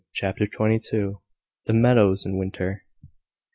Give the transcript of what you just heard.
CHAPTER TWENTY TWO. THE MEADOWS IN WINTER.